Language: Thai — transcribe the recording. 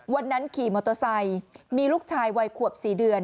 วันนั้นขี่มอเตอร์ไซค์มีลูกชายวัยขวบ๔เดือน